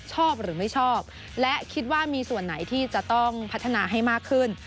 ชอบหรือไม่ชอบและคิดว่ามีส่วนไหนที่จะต้องพัฒนาให้มากขึ้น